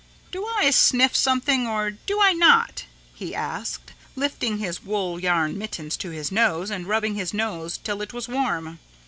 "Do I sniff something or do I not?" he asked, lifting his wool yarn mittens to his nose and rubbing his nose till it was warm.